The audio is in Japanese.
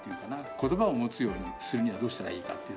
言葉を持つようにするにはどうしたらいいかっていう。